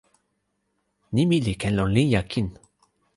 nimi li ken lon linja kin.